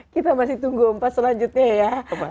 kita masih tunggu empat selanjutnya ya